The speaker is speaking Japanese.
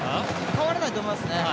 代わらないと思いますね。